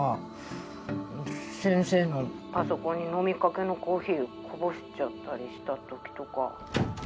「パソコンに飲みかけのコーヒーをこぼしちゃったりした時とか」